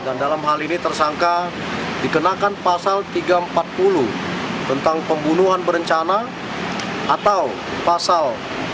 dan dalam hal ini tersangka dikenakan pasal tiga ratus empat puluh tentang pembunuhan berencana atau pasal tiga ratus empat puluh